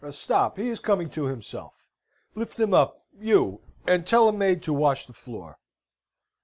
Stop! He is coming to himself! Lift him up, you, and tell a maid to wash the floor."